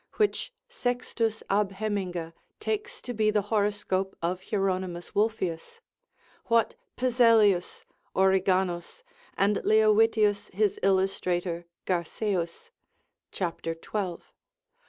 which Sextus ab Heminga takes to be the horoscope of Hieronymus Wolfius, what Pezelius, Origanaus and Leovitius his illustrator Garceus, cap. 12.